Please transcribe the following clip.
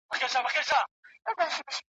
په ګاونډ کي توتکۍ ورته ویله !.